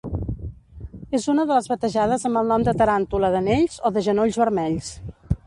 És una de les batejades amb el nom de taràntula d'anells o de genolls vermells.